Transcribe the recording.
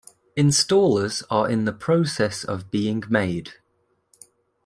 Installers are in the process of being made.